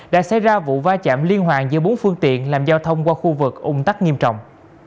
đã xảy ra vụ va chạm liên hoàn giữa bốn phương tiện làm giao thông qua khu vực ung tắc nghiêm trọng